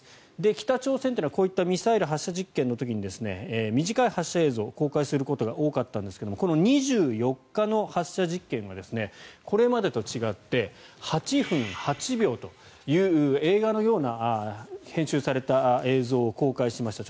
北朝鮮というのは、こういったミサイル発射実験の時に短い発射映像を公開することが多かったんですが２４日の発射映像はこれまでと違って８分８秒という映画のような編集された映像を公開しました。